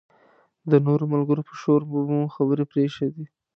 د نورو ملګرو په شور به مو خبرې پرېښودې.